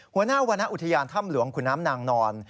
หัวหน้าวรรณอุทยานถ้ำหลวงขุนน้ำนางนอน